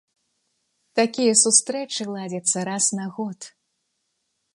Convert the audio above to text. Такія сустрэчы ладзяцца раз на год.